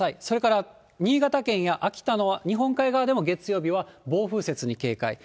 それから新潟県や秋田の日本海側でも、日曜日は暴風雪に警戒。